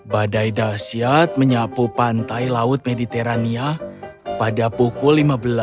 badai dasyat menyapu pantai laut mediterania pada pukul lima belas